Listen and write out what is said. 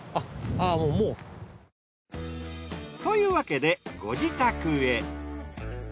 あぁもう。というわけでご自宅へ。